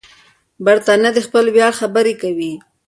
برتانیه د خپل ویاړ خبرې کوي.